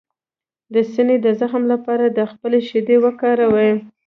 د سینې د زخم لپاره د خپلې شیدې وکاروئ